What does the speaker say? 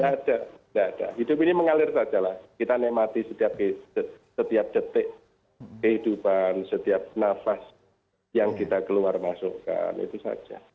tidak ada tidak ada hidup ini mengalir saja lah kita nemati setiap detik kehidupan setiap nafas yang kita keluar masukkan itu saja